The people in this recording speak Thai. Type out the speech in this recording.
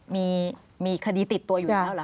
มีคดีติดตัวอยู่แล้วเหรอ